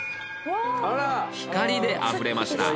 光であふれました。